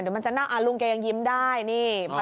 เดี๋ยวมันจะน่าอ่าลุงแกยังยิ้มได้นี้อ๋อ